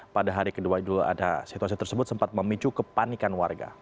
pada hari kedua idul adha situasi tersebut sempat memicu kepanikan warga